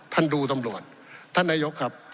ท่านดูตำรวจท่านนายกครับ